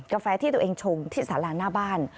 แฟที่ตัวเองชงที่สาราหน้าบ้าน